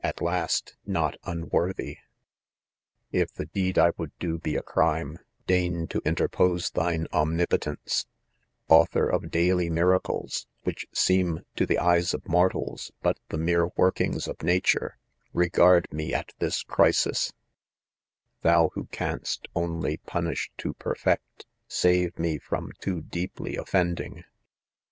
at last \ no$ Unworthy.' 4 If the deed I would do be a crime, deign to interpose thine omnipotence I , i Author of daily miracles, which seem, to the eyes of mortals, but the mere workings of nature, regard me at this crisis I Thou who canst on ly punish to perfect, save me from too deeply of fending.